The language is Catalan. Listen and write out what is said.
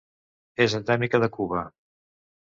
És endèmica de Cuba.